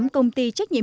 tám công ty trách nhiệm